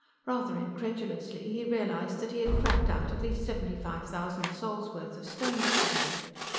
Rather incredulously, he realized that he had cracked out at least seventy five thousand sols' worth of stones today.